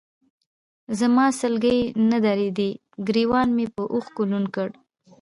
زما سلګۍ نه درېدې، ګرېوان مې به اوښکو لوند کړ.